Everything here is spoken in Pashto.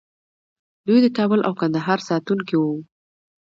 دوی د کابل او ګندهارا ساتونکي وو